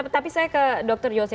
tapi saya ke dr yose